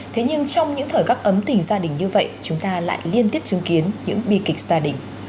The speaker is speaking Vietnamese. thế nhưng trong những thời khắc ấm tình gia đình như vậy chúng ta lại liên tiếp chứng kiến những bi kịch gia đình